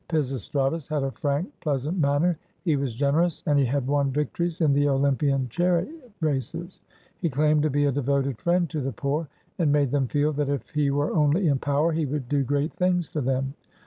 Pisis tratus had a frank, pleasant manner, he was generous, and he had won victories in the Olympian chariot races. He claimed to be a devoted friend to the poor, and made them feel that if he were only in power, he would do great things for them.